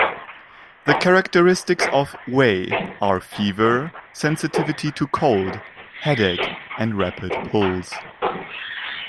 The characteristics of "wei" are fever, sensitivity to cold, headache, and rapid pulse.